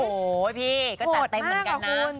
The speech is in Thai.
โอ้โหพี่ก็จัดได้เหมือนกันนะโหดมากอ่ะคุณ